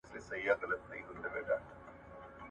ایا مسواک وهل د انسان په خوی او عادت کې نرمي راولي؟